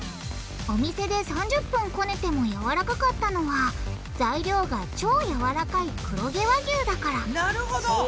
お店で３０分こねてもやわらかかったのは材料が超やわらかい黒毛和牛だからなるほど！